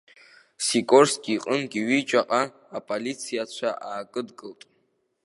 Сикорски иҟынгьы ҩыџьаҟа аполицаицәа аакыдгылт.